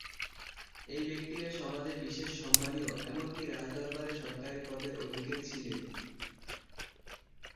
এই ব্যক্তিরা সমাজে বিশেষ সম্মানীয় এমনকি রাজ দরবারে সরকারী পদের অধিকারী ছিলেন।